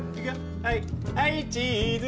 はいチーズ！